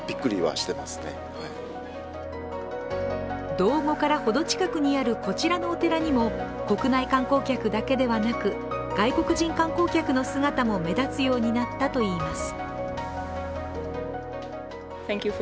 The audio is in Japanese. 道後からほど近くにあるこちらのお寺にも国内観光客だけではなく外国人観光客の姿も目立つようになったといいます。